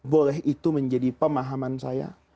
boleh itu menjadi pemahaman saya